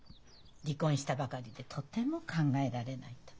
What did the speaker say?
「離婚したばかりでとても考えられない」と。